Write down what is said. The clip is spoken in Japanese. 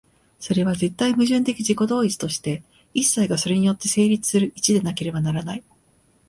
それは絶対矛盾的自己同一として、一切がそれによって成立する一でなければならない。